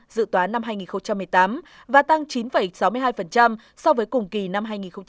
dự toán năm hai nghìn một mươi tám và tăng chín sáu mươi hai so với cùng kỳ năm hai nghìn một mươi bảy